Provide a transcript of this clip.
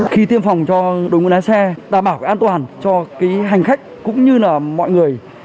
khi tiêm phòng cho đội ngũ lái xe đảm bảo cái an toàn cho cái hành khách cũng như là mọi người